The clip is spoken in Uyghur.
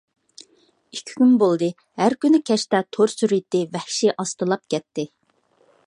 ئىككى كۈن بولدى، ھەر كۈنى كەچتە تور سۈرئىتى ۋەھشىي ئاستىلاپ كەتتى.